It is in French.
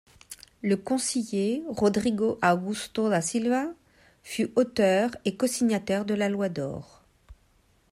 Le conseiller Rodrigo Augusto da Silva fut auteur et cosignataire de la Loi d'or.